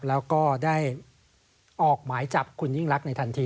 แล้วก็ได้ออกหมายจับคุณยิ่งรักในทันที